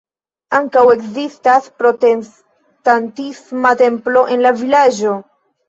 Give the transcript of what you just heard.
Ankaŭ ekzistas protestantisma templo en la vilaĝo.